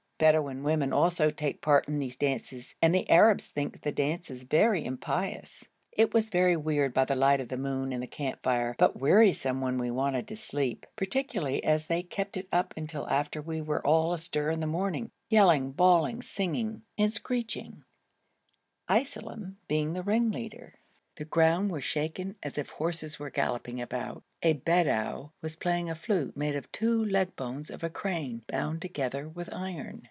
Bedouin women also take part in these dances, and the Arabs think the dances very impious; it was very weird by the light of the moon and the camp fire, but wearisome when we wanted to sleep, particularly as they kept it up till after we were all astir in the morning, yelling, bawling, singing, and screeching, Iselem being the ringleader. The ground was shaken as if horses were galloping about. A Bedou was playing a flute made of two leg bones of a crane bound together with iron.